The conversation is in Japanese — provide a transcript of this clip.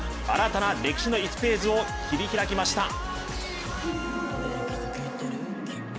新たな歴史の１ページを切り開きました。